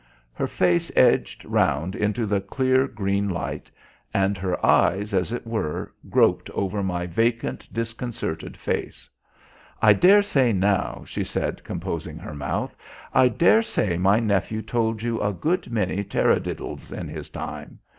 Her face edged round into the clear green light, and her eyes, as it were, groped over my vacant, disconcerted face. "I dare say, now," she said, composing her mouth, "I dare say my nephew told you a good many tarradiddles in his time.